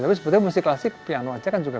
tapi sebenarnya musik klasik piano saja kan juga